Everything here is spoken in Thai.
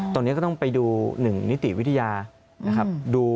ตอนนี้ก็ต้องไปดู๑นิติวิทยานะครับ